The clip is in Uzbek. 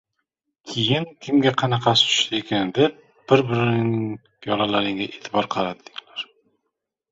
keyin kimga qanaqasi tushdiykan deb bir-birlaringning piyolalaringga eʼtibor qaratdinglar.